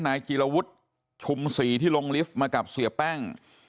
นายจีรวุฒิชุมศรีที่ลงลิฟต์มากับเสียแป้ง